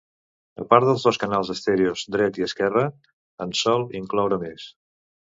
A part dels dos canals estèreos dret i esquerre, en sol incloure més.